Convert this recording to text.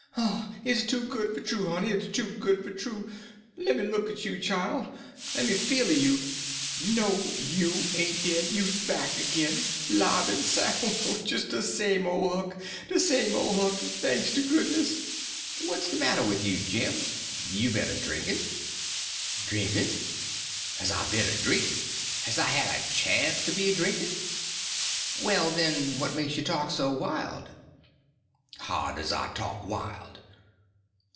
It's too good for true, honey, it's too good for true. Lemme look at you chile, lemme feel o' you. No, you ain' dead! you's back agin, 'live en soun', jis de same ole Huck—de same ole Huck, thanks to goodness!" "What's the matter with you, Jim? You been a drinking?" "Drinkin'? Has I ben a drinkin'? Has I had a chance to be a drinkin'?" "Well, then, what makes you talk so wild?" "How does I talk wild?"